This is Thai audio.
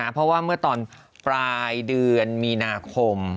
เพราะว่าเมื่อตอนปลายเดือนมีนาคม